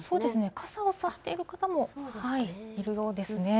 傘を差している方もいるようですね。